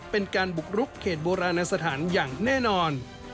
เป็นการบุกรุกเขตโบราณสถานอย่างแน่นอน